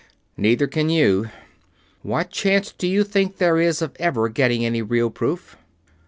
Neither can you. What chance do you think there is of ever getting any real proof?"